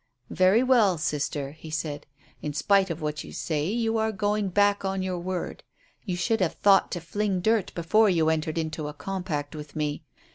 "Very well, sister," he said. "In spite of what you say, you are going back on your word. You should have thought to fling dirt before you entered into a compact with me.